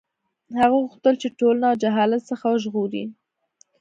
هغه غوښتل چې ټولنه له جهالت څخه وژغوري.